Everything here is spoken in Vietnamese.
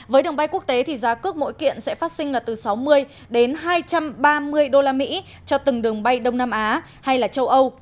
với đường bay quốc tế thì giá cước mỗi kiện sẽ phát sinh là từ sáu mươi đến hai trăm ba mươi usd cho từng đường bay đông nam á hay là châu âu